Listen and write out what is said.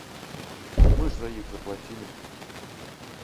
Мы ж за іх заплацілі.